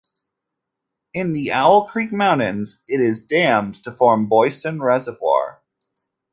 In the Owl Creek Mountains, it is dammed to form Boysen Reservoir.